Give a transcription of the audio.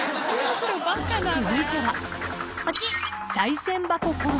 ［続いては］